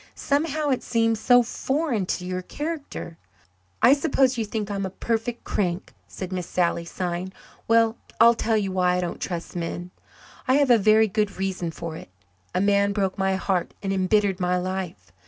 "Somehow, it seems so foreign to your character." "I suppose you think I am a perfect crank," said Miss Sally, sighing. "Well, I'll tell you why I don't trust men. I have a very good reason for it. A man broke my heart and embittered my life.